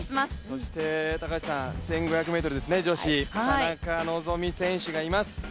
そして１５００ｍですね、女子、田中希実選手がいます。